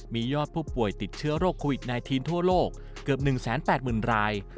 มียอดผู้ป่วยติดเชื้อโรคโควิด๑๙ทั่วโลกเกือบ๑๘๐๐๐ราย